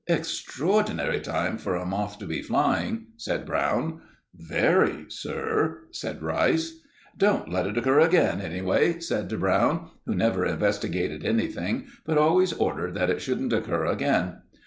"Extraordinary time for a moth to be flying," said Brown. "Very, sir," said Rice. "Don't let it occur again, anyway," said Brown, who never investigated anything, but always ordered that it shouldn't occur again.